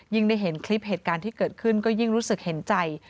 ได้เห็นคลิปเหตุการณ์ที่เกิดขึ้นก็ยิ่งรู้สึกเห็นใจ